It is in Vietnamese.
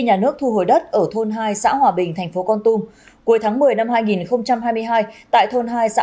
nhà nước thu hồi đất ở thôn hai xã hòa bình thành phố con tum cuối tháng một mươi năm hai nghìn hai mươi hai tại thôn hai xã